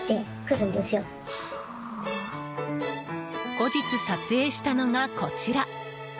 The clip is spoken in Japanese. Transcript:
後日、撮影したのがこちら。